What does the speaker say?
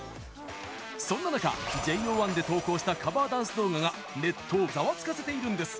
そんな中、ＪＯ１で投稿したカバーダンス動画がネットをめちゃくちゃざわつかせているんです。